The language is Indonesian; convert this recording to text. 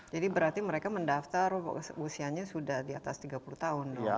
jadi berarti mereka mendaftar usianya sudah di atas tiga puluh tahun